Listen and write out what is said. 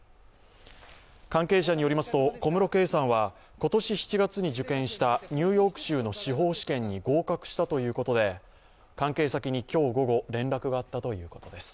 関係者によりますと、小室圭さんは今年７月に受験したニューヨーク州の司法試験に合格したということで関係先に今日午後、連絡があったということです。